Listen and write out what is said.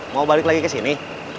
mau balik lagi ke sini